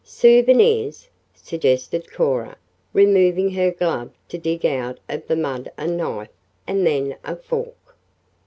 "Souvenirs?" suggested Cora, removing her glove to dig out of the mud a knife, and then a fork.